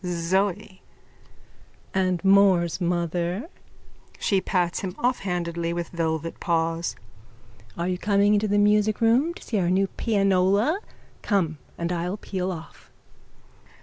ZOE: And more's mother? (She pats him offhandedly with velvet paws.) Are you coming into the musicroom to see our new pianola? Come and I'll peel off.